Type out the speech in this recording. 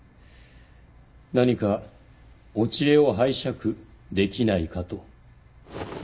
何かお知恵を拝借できないかと。